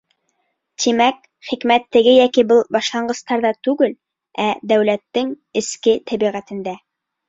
Тимәк, хикмәт теге йәки был башланғыстарҙа түгел, ә дәүләттең эске тәбиғәтендә.